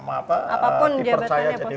apa dipercaya jadi